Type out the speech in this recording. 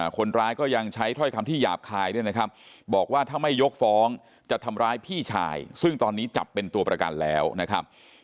คนร้ายก็ยังใช้ถ้อยคำที่หยาบคายด้วยนะครับบอกว่าถ้าไม่ยกฟ้องจะทำร้ายพี่ชายซึ่งตอนนี้จับเป็นตัวประกันแล้วนะครับ